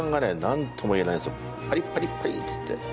「パリパリパリ」っつって。